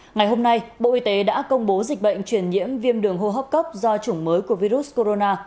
ngày hôm nay bộ y tế đã công bố dịch bệnh truyền nhiễm viêm đường hô hấp cấp do chủng mới của virus corona